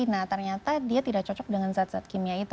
nah ternyata dia tidak cocok dengan zat zat kimia itu